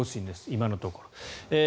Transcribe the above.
今のところ。